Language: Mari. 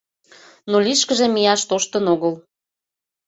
Но лишкыже мияш тоштын огыл.